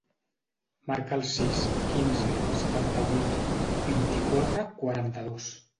Marca el sis, quinze, setanta-vuit, vint-i-quatre, quaranta-dos.